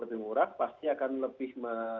lebih murah pasti akan lebih